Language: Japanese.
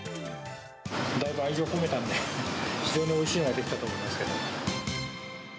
だいぶ愛情込めたんで、非常においしいのが出来たと思いますけれども。